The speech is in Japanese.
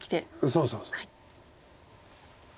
そうそうそう。